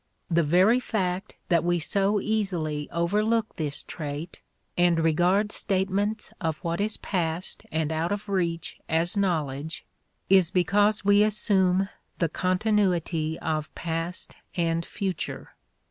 The very fact that we so easily overlook this trait, and regard statements of what is past and out of reach as knowledge is because we assume the continuity of past and future.